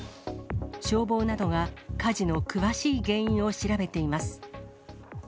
消防などが火事の詳しい原因を調べています。